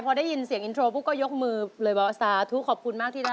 เป็นเพลงที่๔ไว้เจอมันเป็นเพลงที่๕